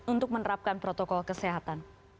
untuk menerapkan protokol kesehatan